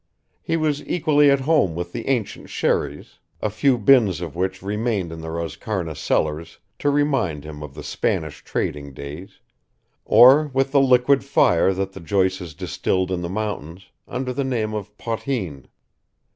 He was equally at home with the ancient sherries, a few bins of which remained in the Roscarna cellars to remind him of the Spanish trading days, or with the liquid fire that the Joyces distilled in the mountains under the name of potheen.